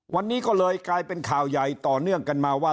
วันนี้ก็เลยกลายเป็นข่าวใหญ่ต่อเนื่องกันมาว่า